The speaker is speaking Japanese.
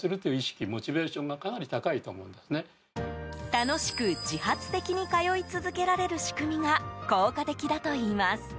楽しく自発的に通い続けられる仕組みが効果的だといいます。